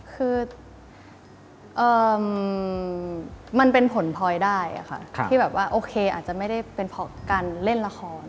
คือมันเป็นผลพลอยได้ค่ะที่แบบว่าโอเคอาจจะไม่ได้เป็นเพราะการเล่นละคร